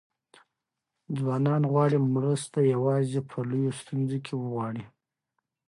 ځوانان غواړي مرسته یوازې په لویو ستونزو کې وغواړي.